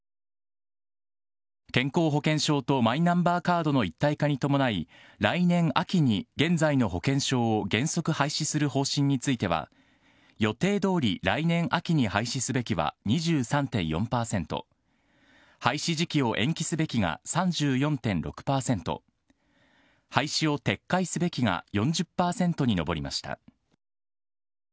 健康保険証とマイナンバーカードの一体化に伴い、来年秋に現在の保険証を原則廃止する方針については、予定どおり来年秋に廃止すべきは２３．４％、廃止時期を延期すべきが３４．６％、廃止を撤回すべきが４０％に上りました。